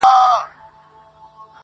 او زما د غرونو غم لړلې کيسه نه ختمېده-